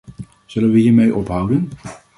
Zullen we hiermee ophouden?